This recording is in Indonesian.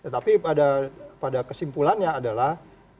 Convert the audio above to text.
tapi pada kesimpulannya adalah